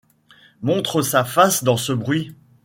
Montre sa face dans ce bruit